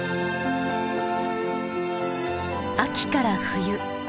秋から冬。